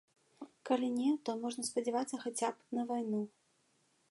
Калі не, то можна спадзявацца хаця б на вайну.